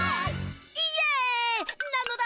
イエイなのだ！